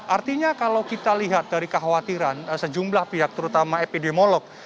artinya kalau kita lihat dari kekhawatiran sejumlah pihak terutama epidemiolog